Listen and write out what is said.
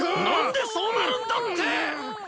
何でそうなるんだって！